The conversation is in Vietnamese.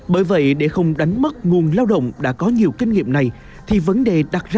bởi vậy để không đánh mất nguồn lao động đã có nhiều kinh nghiệm này thì vấn đề